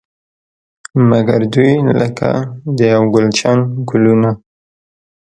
مګر دوی لکه د یو ګلش ګلونه.